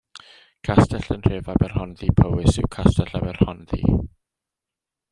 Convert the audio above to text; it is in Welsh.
Castell yn nhref Aberhonddu, Powys yw Castell Aberhonddu.